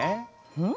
うん？